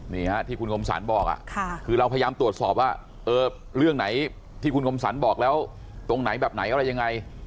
นี่ฮะที่คุณคมสรรบอกคือเราพยายามตรวจสอบว่าเรื่องไหนที่คุณคมสรรบอกแล้วตรงไหนแบบไหนอะไรยังไง